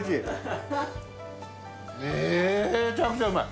めちゃくちゃうまい！